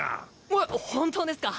えっ本当ですか！